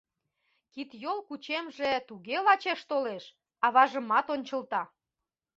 Кид-йол кучемже туге лачеш толеш — аважымат ончылта.